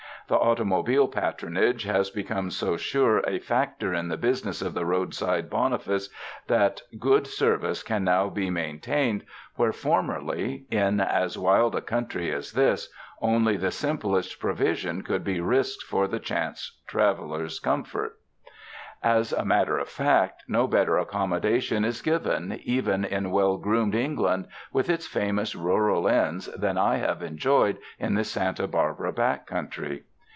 The automobile patronage has become so sure a fac tor in the business of the roadside boniface that good service can now be maintained where formerly, in as wild a country as this, only the simplest provision could be risked for the chance traveler's comfort. 163 UNDER THE SKY IN CALIFORNIA As a matter of fact, no better accommodation is given, even in well groomed England with its famous rural inns, than I have enjoyed in this Santa Bar bara back country.